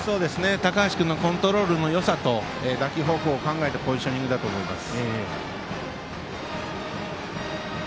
高橋君のコントロールのよさと打球方向を考えてのポジションだと思います。